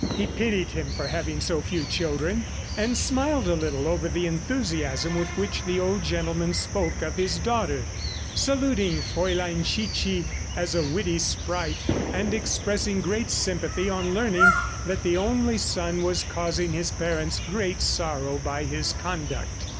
He pitied him for having so few children, and smiled a little over the enthusiasm with which the old gentleman spoke of his daughter, saluting Fraulein Chichi as a witty sprite, and expressing great sympathy on learning that the only son was causing his parents great sorrow by his conduct.